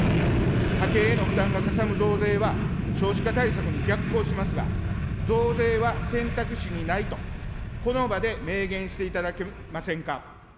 家計への負担がかさむ増税は、少子化対策に逆行しますが、増税は選択肢にないと、この場で明言していただけませんか。